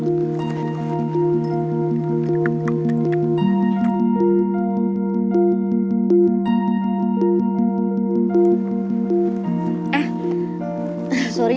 emang aneh banget orang